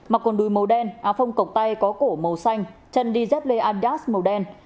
mặc quần đuôi màu đen áo phông cổng tay có cổ màu xanh chân đi dép lê adidas màu đen